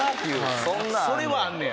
それはあんねや。